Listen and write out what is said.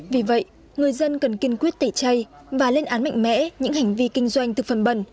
vì vậy người dân cần kiên quyết tẩy chay và lên án mạnh mẽ những hành vi kinh doanh thực phẩm bẩn